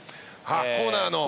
ああコーナーの？